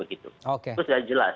itu sudah jelas